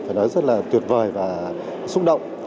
phải nói rất là tuyệt vời và xúc động